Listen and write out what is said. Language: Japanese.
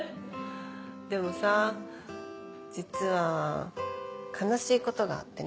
でもさ実は悲しいことがあってね。